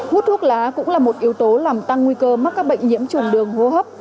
hút thuốc lá cũng là một yếu tố làm tăng nguy cơ mắc các bệnh nhiễm trùng đường hô hấp